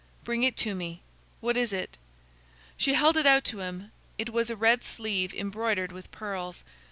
"Bring it to me. What is it?" She held it out to him; it was a red sleeve embroidered with pearls.